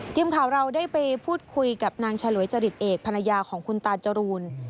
ทีมข่าวเราได้ไปพูดคุยกับนางฉลวยจริตเอกภรรยาของคุณตาจรูน